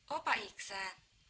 oh pak iksan